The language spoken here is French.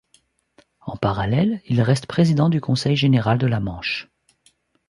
En parallèle, il reste président du conseil général de la Manche.